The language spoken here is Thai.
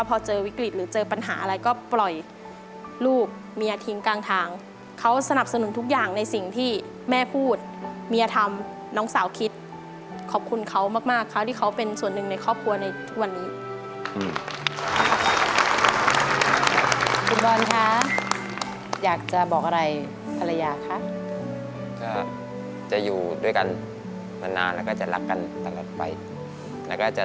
อาจจะเคยได้ร้องตอนเป็นนักร้องอะคะ